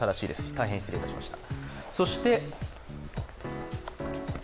大変失礼いたしました。